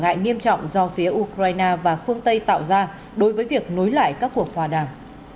ngại nghiêm trọng do phía ukraine và phương tây tạo ra đối với việc nối lại các cuộc hòa đàm